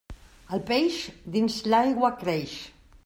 El peix, dins l'aigua creix.